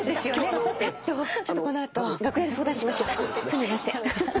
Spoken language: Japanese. すみません。